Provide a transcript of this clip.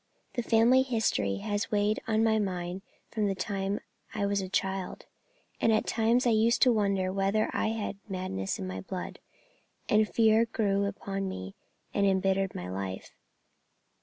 The family history had weighed on my mind from the time I was a child, and at times I used to wonder whether I had madness in my blood, and the fear grew upon me and embittered my life.